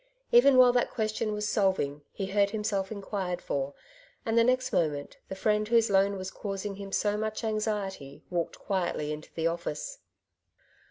Even while that question was solving, he heard himself inquired for ; and the next moment the friend whose loan was causing him so much anxiety walked quietly into the office.